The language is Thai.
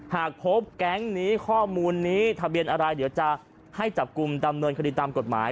หากพบแก๊งนี้ข้อมูลนี้ทะเบียนอะไรเดี๋ยวจะให้จับกลุ่มดำเนินคดีตามกฎหมาย